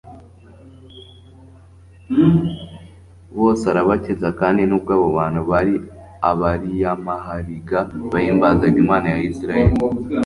Bose arabakiza kandi nubwo abo bantu bari abariyamahariga bahimbazaga Imana ya Isiraeli.